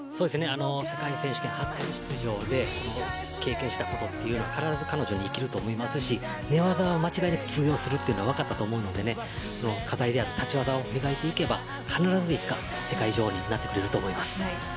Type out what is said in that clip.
世界選手権初出場で経験したことは必ず彼女に生きると思いますし寝技は間違いなく通用するのが分かったと思うので課題である立ち技を磨いていけば必ずいつか世界女王になってくれると思います。